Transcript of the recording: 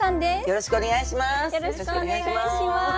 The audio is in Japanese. よろしくお願いします。